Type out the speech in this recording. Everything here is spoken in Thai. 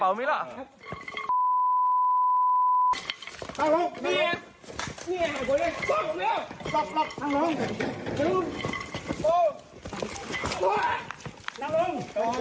อ่าหว่าต้อน